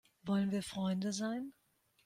Wollen wir Freunde sein?